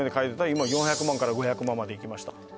今４００万から５００万までいきました